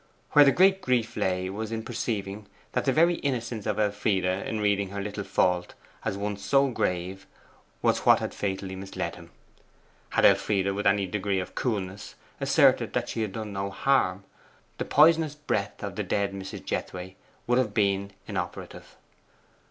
Where the great grief lay was in perceiving that the very innocence of Elfride in reading her little fault as one so grave was what had fatally misled him. Had Elfride, with any degree of coolness, asserted that she had done no harm, the poisonous breath of the dead Mrs. Jethway would have been inoperative.